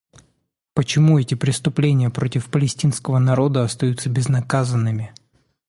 Почему эти преступления против палестинского народа остаются безнаказанными?